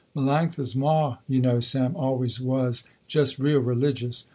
Melanctha's ma you know Sam, always was just real religious.